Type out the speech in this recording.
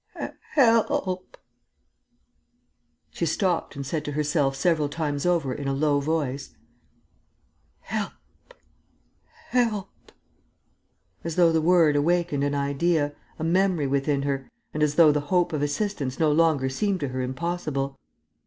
Help!..." She stopped and said to herself, several times over, in a low voice, "Help!... Help!..." as though the word awakened an idea, a memory within her, and as though the hope of assistance no longer seemed to her impossible.